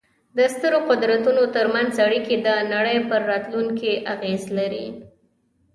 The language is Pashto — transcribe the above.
د سترو قدرتونو ترمنځ اړیکې د نړۍ پر راتلونکې اغېز لري.